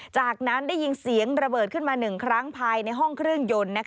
จากนั้นได้ยินเสียงระเบิดขึ้นมา๑ครั้งภายในห้องเครื่องยนต์